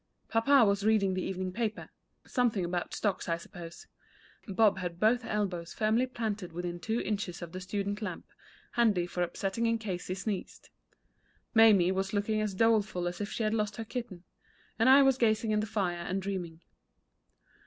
Papa was reading the evening paper something about stocks, I suppose; Bob had both elbows firmly planted within two inches of the student lamp, handy for upsetting in case he sneezed; Mamie was looking as doleful as if she had lost her kitten; and I was gazing in the fire and dreaming.